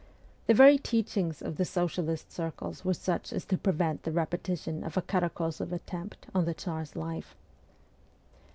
The very teachings of the socialist circles were such as to prevent the repetition of a Karakozoff attempt on the Tsar's life.